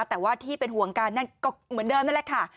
แต่ว่าที่เป็นห่วงกันนั่นก็เหมือนเดิมนั่นแหละค่ะ